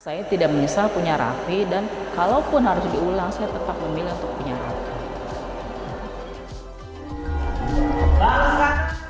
saya tidak menyesal punya raffi dan kalaupun harus diulang saya tetap memilih untuk punya raffi